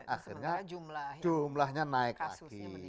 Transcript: akhirnya jumlahnya naik lagi